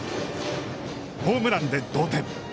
ホームランで同点。